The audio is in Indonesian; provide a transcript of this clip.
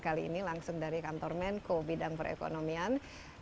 kali ini langsung dari kantor menko bidang perekonomian